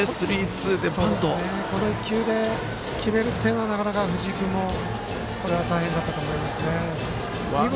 この１球で決めるっていうのはなかなか藤井君も大変だったと思います。